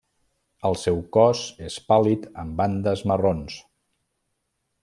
El seu cos és pàl·lid amb bandes marrons.